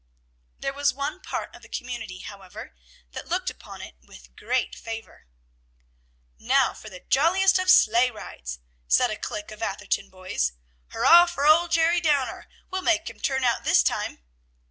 There was one part of the community, however, that looked upon it with great favor. "Now for the jolliest of sleigh rides!" said a clique of Atherton boys. "Hurra for old Jerry Downer! We'll make him turn out this time!"